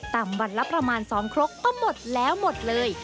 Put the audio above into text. วันละประมาณ๒ครกก็หมดแล้วหมดเลย